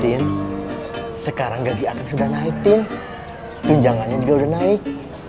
tin sekarang gaji akan sudah naik tin tunjangannya juga udah naik